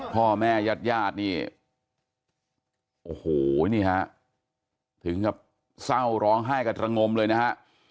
พ่อแม่ญาติญาตินี่โอ้โหนี่ฮะถึงกับเศร้าร้องไห้กระตระงมเลยนะฮะ